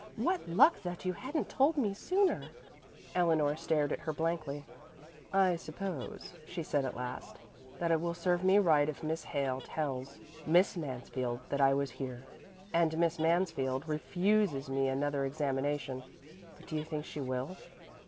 What luck that you hadn't told me sooner!" Eleanor stared at her blankly. "I suppose," she said at last, "that it will serve me right if Miss Hale tells Miss Mansfield that I was here, and Miss Mansfield refuses me another examination; but do you think she will?"